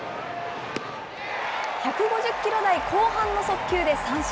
１５０キロ台後半の速球で三振。